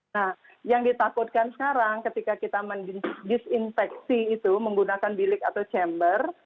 nah yang ditakutkan sekarang ketika kita mendisinfeksi itu menggunakan bilik atau chamber